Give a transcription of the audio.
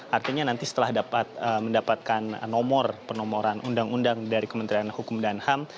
artinya nanti setelah mendapatkan nomor penomoran undang undang dari kementerian hukum dan ham